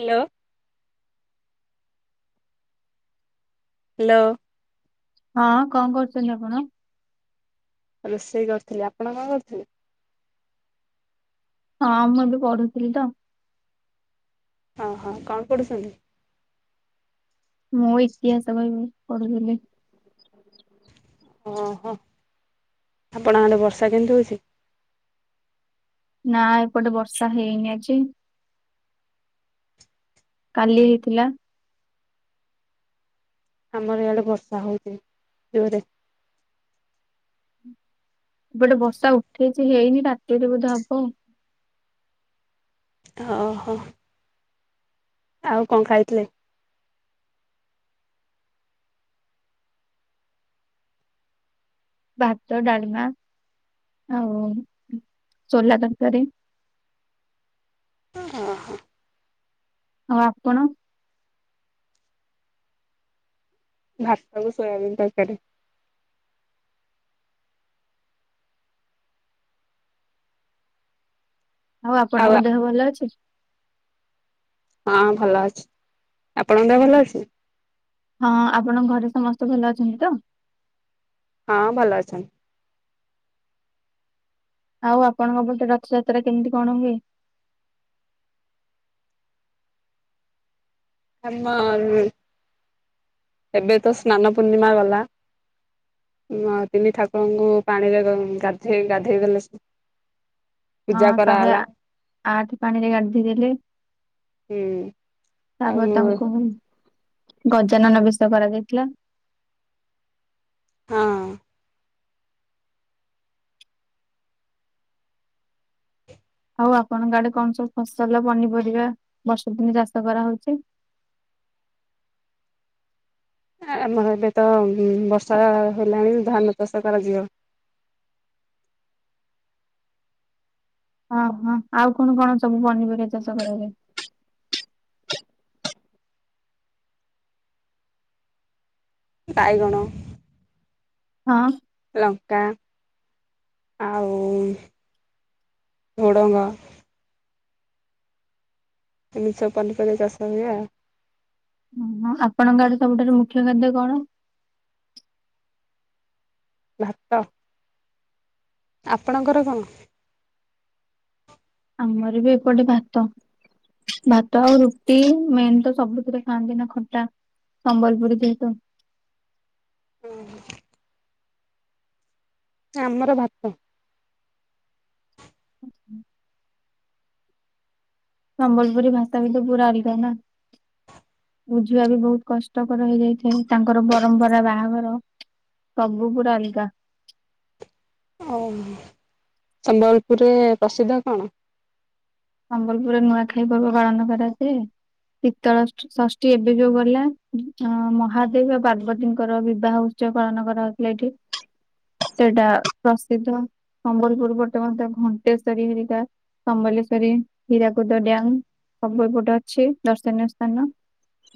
Hello. Hello. ହଁ କଣ କରୁଛନ୍ତି ଆପଣ? ରୋଷେଇ କରିୁଥିଲି ଆପଣ କଣ କରୁଥିଲେ। ହଁ ମୁଁ ଏବେ ପଢୁଥିଲି ତ। ଅ ହଁ କଣ ପଡୁଛନ୍ତି। ମୁଁ ଇତିହାସ ବହି ପଢୁଥିଲି। ଓହୋ ଆପଣଙ୍କ ଆଡେ ବର୍ଷା କେମିତି ହଉଛି? ନା ଏପଟେ ବର୍ଷା ହେଇନି ଅଜି। କାଲି ହେଇଥିଲା। ଆମର ଇଆଡେ ବର୍ଷା ହଉଛି ଜୋରେ। ଏପଟେ ବର୍ଷା ଉଠେଇଛି ହେଇନି ରାତିରେ ବୋଧେ ହବ। ଅ ହ। ଆଉ କଣ ଖାଇଥିଲେ। ଭାତ ଡାଲମା ଆଉ ସୋଲା ତରକାରୀ। ଅ ହଁ ହଁ। ଆଉ ଆପଣ? ଭାତ କୁ ସୋୟାବିନ୍ ତରକାରୀ। ଆଉ ଆପଣଙ୍କ ଦେହ ଭଲ ଅଛି। ହଁ ଭଲ ଅଛି ଆପଣଙ୍କ ଦେହ ଭଲ ଅଛି। ହଁ ଆପଣଙ୍କ ଘରେ ସମସ୍ତେ ଭଲ ଅଛନ୍ତି ତ? ହଁ ଭଲ ଅଛନ୍ତି। ଆଉ ଆପଣଙ୍କ ପଟେ ରଥଯାତ୍ରା କେମିତି କଣ ହୁଏ? ଆମର ଏବେ ତ ସ୍ନାନ ପୂର୍ଣ୍ଣିମା ଗଲା। ଆ ତିନି ଠାକୁରଙ୍କୁ ପାଣିରେ ଗାଧୋଇ ଗାଧୋଇ ଦେଲେ। ହଁ ପୂଜା ଶହେ କରାଗଲା। ଆ ଆଠ ପାଣି ରେ ଗାଧେଇ ଦେଲେ। ହୁଁ ଆଉ ତାପରେ ତାଙ୍କୁ। ଗଜାନନ ବେଶ କରାଯାଇଥିଲା। ହଁ। ଆଉ ଆପଣଙ୍କ ଆଡେ କଣ ସବୁ ଫସଲ ପନିପରିବା ବର୍ଷକୁ ପୁଣି ଚାଷ କରାହଉଛି। ଆମର ଏବେ ତ ବର୍ଷା ହେଲାଣି ଧାନ ଚାଷ କରାଯିବ। [inaudible] ଅ‌ ହଁ ଆଉ କଣ କଣ ସବୁ ପନିପରିବା ଚାଷ କରାଯାଏ। ବାଇଗଣ। ହଁ। ଲଙ୍କା ଆଉ। ଝୁଡ଼ଙ୍ଗ। ଏମିତି ସବୁ ପନି ପରିବା ଚାଷ ହୁଏ ଆଉ। ଓ ହୋ ଆପଣଙ୍କର ସବୁଠାରୁ ମୁଖ୍ୟ ଖାଦ୍ୟ କଣ? ଭାତ। ଆପଣଙ୍କର କଣ? ଆମର ବି ଏପଟେ ଭାତ। ଭାତ ଆଉ ରୁଟି ମେନ୍ ତ ସବୁଥିରେ ଖାଆନ୍ତି ନା ଖଟା। ସମ୍ବଲପୁରି ଯେ ହେତୁ। ଅ ହଁ। ଆମର ଭାତ। ହ୍। ସମ୍ବଲପୁରୀ ଭାଷା ବି ତ ପୁରା ଅଲଗା ନା। ବୁଝିବା ବି ବହୁତ କଷ୍ଟକର ହେଇଯାଇଥାଏ, ତାଙ୍କର ପରମ୍ପରା ବାହାଘର। ସବୁ ପୁରା ଅଲଗା। ଓ ସମ୍ବଲପୁର ରେ ପ୍ରସିଦ୍ଧ କଣ? ସମ୍ବଲପୁରରେ ନୂଆଖାଇ ପର୍ବ ପାଳନ କରାଯାଏ। ଶୀତଳ ଷଷ୍ଠୀ ଏବେ ଯୋଉ ଗଲା ଅ ମହାଦେବ ପାର୍ବତୀଙ୍କର ବିବାହ। ପାଳନ କରାହାଉଥିଲା ଏଇଠି। ସେଇଟା ପ୍ରସିଦ୍ଧ ସମ୍ବଲପୁର ପଟେ ମଧ୍ୟ ଘଣ୍ଟେଶ୍ଵରୀ ହେରିକା ସମ୍ବଲେଶ୍ଵରୀ, ହୀରାକୁଦ ଡ୍ୟାମ ସବୁ ଏପଟେ ଅଛି ଦର୍ଶନୀୟ ସ୍ଥାନ।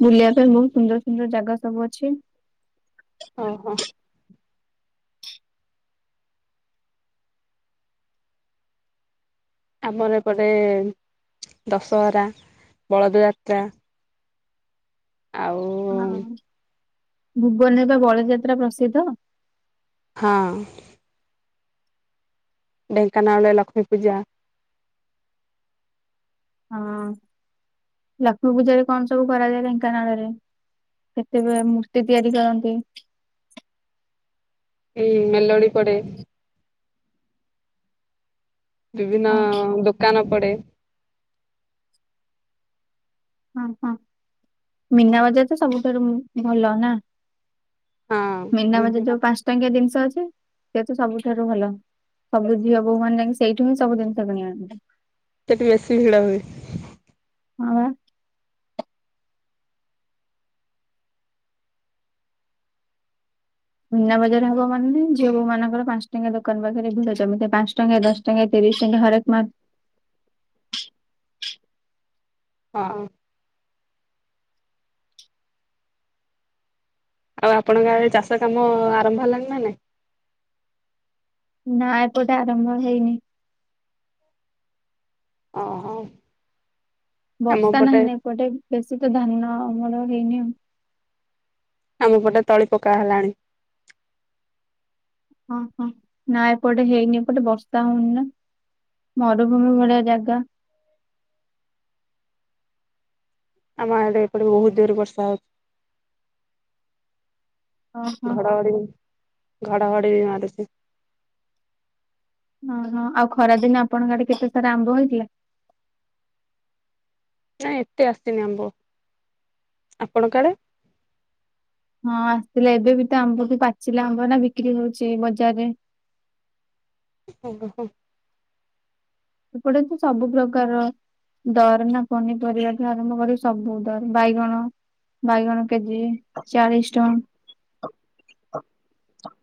ବୁଲିବା ପାଇଁ ବହୁତ ସୁନ୍ଦର ସୁନ୍ଦର ଜାଗା ସବୁ ଅଛି। ଓହୋ। ଆମର ଏପଟେ ଦଶହରା, ବଳଦ ଯାତ୍ରା। ଆଉ ହଁ ଭୁବନରେ ବା ବଳଯାତ୍ରା ପ୍ରସିଦ୍ଧ। ହଁ। ଢେଙ୍କାନାଳରେ ଲକ୍ଷ୍ମୀ ପୂଜା। ହଁ ଲକ୍ଷ୍ମୀ ପୂଜାରେ କଣ ସବୁ କରାଯାଏ ଢେଙ୍କାନାଳରେ? କେତେବେଳେ ମୂର୍ତ୍ତି ତିଆରି କରନ୍ତି? ହଁ ମେଲୋଡ଼ି ପଡେ। ବିଭିନ୍ନ ହଁ ଦୋକାନ ପଡେ। ହଁ ହଁ ମିନା ବଜାର ତ ସବୁଠାରୁ ଭଲ ନା। ହଁ ମିନା ବଜାରରେ ବିଭିନ୍ନ ଯୋଉ ପାଞ୍ଚ ଟଙ୍କିଆ ଜିନିଷ ଅଛି ସେ ତୁ ସବୁଠାରୁ ଭଲ। ସବୁ ଝିଅ ବୋହୁ ମାନେ ଯାଇକି ସେଇଠୁ ହିଁ ସବୁ ଜିନିଷ କିଣି ଆଣନ୍ତି। ସେଠି ବେଶୀ ଭିଡ ହୁଏ। ହଁ ବା। ମିନା ବଜାର ହବ ମାନେ ଝିଅ ବୋହୁ ମାନଙ୍କର ପାଞ୍ଚ ଟଙ୍କଆ ଦୋକାନ ପାଖରେ ଭିଡ ଜମିଥାଏ। ପାଞ୍ଚ ଟଙ୍କିଆ ଦଶ ଟଙ୍କା ତିରିଶ ତିରିଶ ଟଙ୍କିଆ ହରେକ ମାଲ। [inaudible] ହଁ। ଆଉ ଆପଣଙ୍କ ଆଡେ ଚାଷ କାମ ଆରମ୍ଭ ହେଲାଣି ନା ନାଇଁ। ନାଁ ଏପଟେ ଆରମ୍ଭ ହେଇନି। ଓହୋ। ଆମ ବର୍ଷା ପଟେ ନାହିଁ ନା ଏପଟେ ବେଶୀ ତ ଧାନ ଆମର ହେଇନି ଆଉ। ମୋ ପଟେ ତଳି ପକା ହେଲାଣି। ଓହୋ ନା ଏପଟେ ହେଇନି ଏପଟେ ବର୍ଷା ହଉନି ନା। ମରୁଭୂମି ଭଳିଆ ଜାଗା। [inaudible] ଆମ ଆଡେ ଏପଟେ ବହୁତ ଜୋରେ ବର୍ଷା ଓହୋ ହଉଛି। ଘଡଘଡି ଘଡଘଡି ମାରୁଛି। ଓହୋ ଆଉ ଖରା ଦିନେ ଆପଣଙ୍କ ଆଡେ କେତେସାରା ଆମ୍ବ ହେଇଥିଲା? ନାଇଁ ଏତେ ଆସିନି ଆମ୍ବ ଆପଣଙ୍କ ଆଡେ? ହଁ ଆସିଥିଲା ଏବେ ବି ତ ଆମ୍ବକୁୁ ପାଚିଲା ଆମ୍ବ ନା ବିକ୍ରି ହଉଛି ବଜାରରେ। [unintelligible] ଏପଟେ ତ ସବୁ ପ୍ରକାର। ଦର ନା ପନିପରିବାଠୁ ଆରମ୍ଭ କରି ସବୁ ଦର ବାଇଗଣ। ବାଇଗଣ କେଜି ଚାଳିଶ ଟଙ୍କା।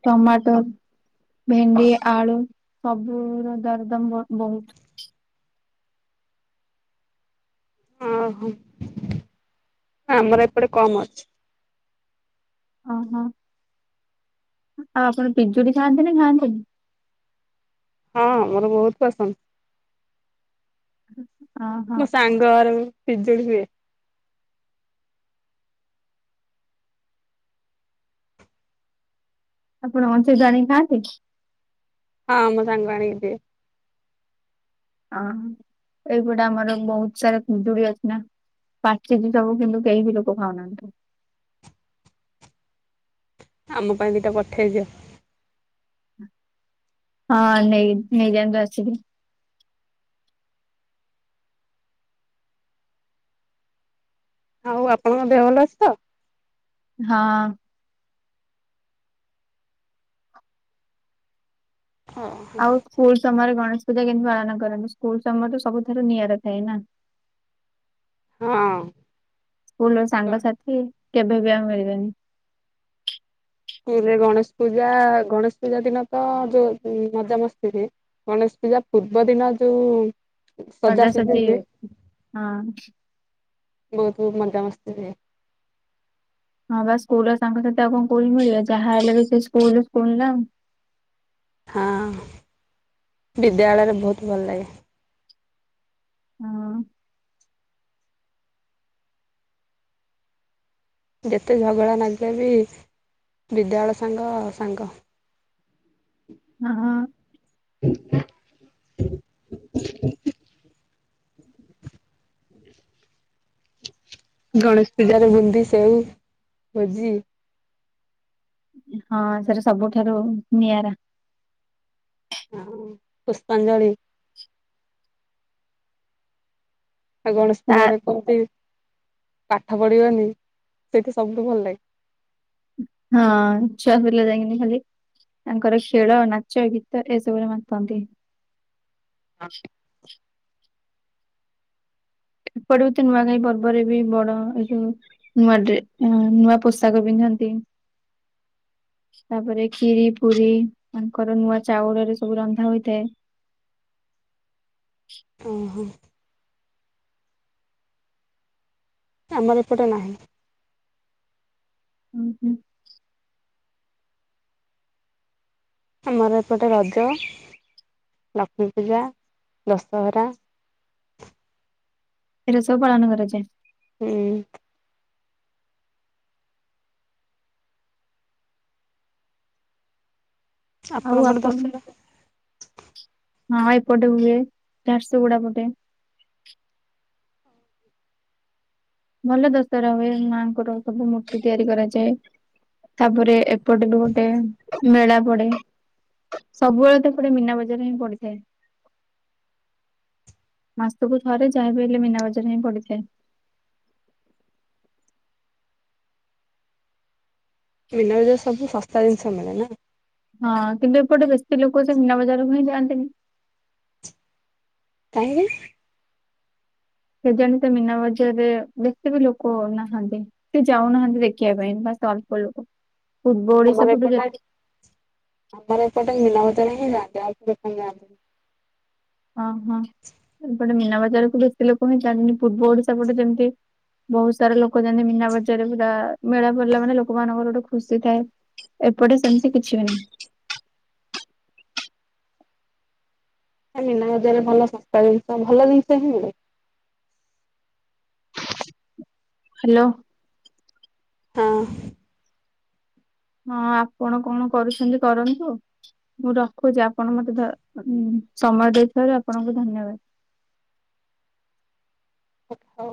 ଟମାଟର। ଭେଣ୍ଡି ଆଳୁ ସବୁ ର ଦରଦମ ବହୁତ। ଉଁ ହୁଁ ଆମର ଏପଟେ କମ୍ ଅଛି। ଓହୋ। ଆଉ ଆପଣ ପିଜୁଳି ଖାଆନ୍ତି ନା ଖାଆନ୍ତିନି? ହଁ ମୋର ବହୁତ ପସନ୍ଦ। ଓହୋ ମୋ ସାଙ୍ଗର ବିିଜୁଳି ହୁଏ। ଆପଣ ଅଞ୍ଚଦଣ ଖାଆନ୍ତି। ହଁ ମୁଁ ସାଙ୍ଗ ଆଣଦି। ହ ଏଇପଟେ ଆମର ବହୁତ ସାରା କୁଜୁଳି ଅଜ ନା ପାଛି ଯେ ତାବୁ କିନ୍ତୁ କେ ବି ଲୋକ ଖାାଉନାନ୍ତି। ଆମ ପାଇଁ ଦିଟା ପଠେଇଯ। ହଁ ନେଇ ନେଇଯାଆନ୍ତୁ ଆସିକି। ଆଉ ଆପଣଙ୍କ ଦେହ ଭଲ ଅଛି ତ? ହଁ। ଆଉ ସ୍କୁଲ ସମୟରେ ଗଣେଶ ପୂଜା କେମତି ପାଳନ କରନ୍ତୁ ସ୍କୁଲ ସମୟ ତ ସବୁଠାରୁ ନିଆରା ଥାଏ ନା ଓହୋ ସ୍କୁଲ ହଁ। ସାଙ୍ଗସାଥୀ। କେବେ ବି ଆଉ ମିଲିବେନି। ସ୍କୁଲରେ ଗଣେଶ ପୂଜା ଗଣେଶ ପୂଜା ଦିନ ତ ଯୋଉ ମଜାାମସ୍ତିରେ ଗଣେଶ୍ ପୂଜା ପୂର୍ବ ଦିନ ଯୋଉ। ଅଟା ସଜାସଜି ସଜି ହୁଏ ହଁ [unintelligible] [inaudible] ବହୁତ ମଜା ମସ୍ତିରେ। ହଁ ବା ସ୍କୁଲ ସାଙ୍ଗ ସାଥି ଆଉ କଣ କ ମିଳିବ ଯାହା ହେଲା ବି ସେ ସ୍କୁଲକୁଣିଲ। ହଁ ବିଦ୍ୟାଳୟରେ ବହୁତ ଭଲ ଲାଗେ। ହଁ। ଯେତେ ଝଗଡ଼ା ଲାଗିଲେ ବି ବିଦ୍ୟାଳୟ ସାଙ୍ଗ ସାଙ୍ଗ। ହ ହଁଅଁ [unintelligible] ଗଣେଶ ପୂଜାରେ ବୁନ୍ଦି ସେଉ ଭୋଜି। ହଁ ସେଟା ସବୁଠାରୁ ନିଆରା। ହଁ ପୁଷ୍ପାଞ୍ଜଳି। ଆଉ ଗଣେଶ ତା ପୂଜା ରେ କତି। ପାଠ ପଢ଼ିବନି ସେଇଠି ସବୁଠୁ ଭଲ ଲାଗେ। ହଁ ଛୁଆ ପିଲା ଯାଇନି ଖାଲି। ତାଙ୍କର ଖେଳ ନାଚ ଗୀତ ଏସବୁରେ ମାତନ୍ତି। ହଁ। ଏପଡ ହତେ ନୂଆ କାହିଁ ପର୍ବରେ ବି ବଡ ଏ ଯଉ ନୂଆ ନୂଆ ପୋଷାକ ପିନ୍ଧାନ୍ତି ନ୍ତି [inaudible] ତାପରେ ଖିରି ପୁରୀ ମାନଙ୍କର ନୂଆ ଚାଉଳରେ ସବୁ ରନ୍ଧା ହୋଇଥାଏ। ଓହୋ ଆମର ଏପଟେ ନାହିଁ। ହୁଁ ହୁଁ। ଆମର ଏପଟେ ରଜ ଲକ୍ଷ୍ମୀ ପୂଜା ଦଶହରା ଏଗୁଡ଼ା ସବୁପାଳନ କରାଯାଏ। ହୁଁ। ଆପଣ ପଟେ ଦଶରା ହଁ ଏପଟେ ହୁଏ ଝାରଶଗୁଡ଼ା ପଟେ ଭଲ ଦଶହରା ହୁଏ ମାଆଙ୍କର ସବୁ ମୂର୍ତ୍ତି ତିଆରି କରାଯାଏ। ତାପରେ ଏପଟେ ବି ଗୋଟେ ମେଳା ପଡେ ସବୁବେଳେ ତ ଏପଟେ ମୀନା ବଜାର ହିଁ ପଡିଥାଏ। ମାସକୁ ଥରେ ଯାହାବି ହେଲେ ମୀନାବଜାର ହିଁ ପଡିଥାଏ। ମିନା ବଜାରରେ ସବୁ ଶସ୍ତା ଜିନିଷ ମିଳେ ନା ହଁ କିନ୍ତୁ ଏପଟେ ବେଶୀ ଲୋକ ଯେ ମୀନା ବଜାରକୁ ହିଁ ଯାଆନ୍ତିନି। କାହିଁକି? କେଜାଣି ସେ ମୀନା ବଜାରରେ ବେସି ବି ଲୋକ ନାହାନ୍ତି। କି ଯାଉନାହାନ୍ତି ଦେଖିବା ପାଇଁ। ବାସ ତ ଅଳ୍ପ ଲୋକ। ପୂର୍ବ ଓଡିଶା ଆମର ପଟୁ ଯେ ଏପଟେ ଆମର ଏପଟେ ମିନାବଜା ହିଁ ଯାଆନ୍ତି ଆଉ କିଏ କାଇଁ ଯାଆନ୍ତି। ଓହଁ ଏପଟେ ମୀନା ବଜାର କୁ ବେଶୀ ଲୋକ ହିଁ ଯାଆନ୍ତିନି। ପୂର୍ବ ଓଡିଶା ପଟେ ଯେମତି ବହୁତ ସାରା ଲୋକ ଯାଆନ୍ତି। ମିନା ବଜାରକୁ ପୁରା ମେଳା ପଡ଼ିଲା ମାନେ ଲୋକ ମାନଙ୍କର ଗୋଟେ ଖୁସି ଥାଏ। ଏ ଏପଟେ ସେମତି କିଛିିବି ନାହିଁ। [inaudible] ମିନାବଜାରରେ ଭଲ ଶସ୍ତା ଜିନିଷ ଭଲ ଜିନିଷ ହିଁ ମିଳେ। ହାଲୋ। ହଁ। ହଁ ଆପଣ କଣ କରୁଛନ୍ତି କରନ୍ତୁ। ମୁଁ ରଖୁଛି ଆପଣ ମତେ ଧ ହୁଁ ସମୟ ଦେଇଥିବାରୁ ଆପଣଙ୍କୁ ଧନ୍ୟବାଦ। [inaudible] ହ ହଉ।